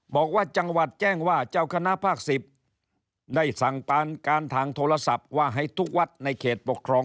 บอกว่าจังหวัดแจ้งว่าเจ้าคณะภาค๑๐ได้สั่งตามการทางโทรศัพท์